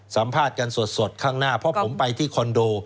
สัมภาษณ์กันสดข้างหน้าเพราะผมไปที่คอนโด